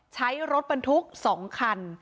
ใช้รถบรรทุก๒คัน